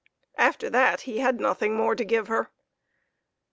After that he had nothing more to give her.